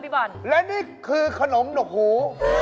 พี่บอลและนี่คือขนมหนกหู